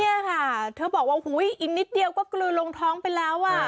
เนี่ยค่ะเธอบอกว่าอีกนิดเดียวก็กลืนลงท้องไปแล้วอ่ะ